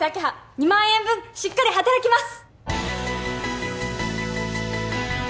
２万円分しっかり働きます